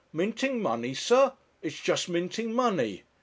'Minting money, sir; it's just minting money.